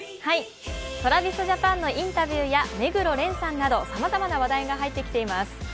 ＴｒａｖｉｓＪａｐａｎのインタビューや目黒蓮さんなどさまざまな話題が入ってきています。